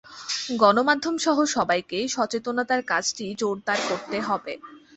গণমাধ্যমসহ সবাইকে সচেতনতার কাজটি জোরদার করতে হবে।